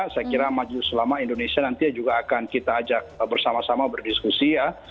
saya kira maju selama indonesia nanti juga akan kita ajak bersama sama berdiskusi ya